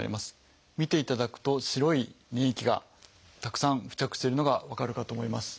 見ていただくと白い粘液がたくさん付着してるのが分かるかと思います。